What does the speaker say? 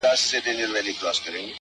o څلوريځه ـ